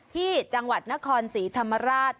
ที่จังหวัดนครศรีธรรมราช